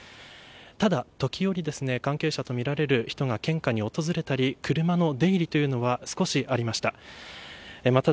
ただ時折、関係者とみられる人が献花に訪れたり車の出入りというのは少しありました。